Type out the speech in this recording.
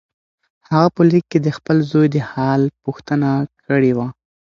هغه په لیک کې د خپل زوی د حال پوښتنه کړې وه.